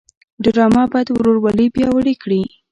ډرامه باید ورورولي پیاوړې کړي